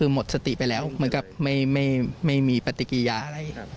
คือหมดสติไปแล้วเหมือนกับไม่มีปฏิกิยาอะไรครับ